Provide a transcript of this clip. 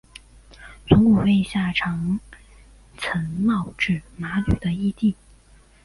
从五位下长岑茂智麻吕的义弟。